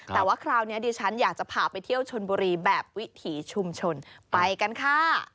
แต่ว่าคราวนี้ดิฉันอยากจะพาไปเที่ยวชนบุรีแบบวิถีชุมชนไปกันค่ะ